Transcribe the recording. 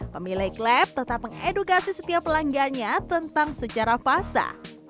pemilik lab tetap mengedukasi setiap pelangganya tentang sejarah pasta